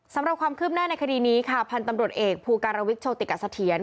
สำหรับความคืบหน้าในคดีนี้ค่ะพันธุ์ตำรวจเอกภูการวิทยโชติกสะเทียน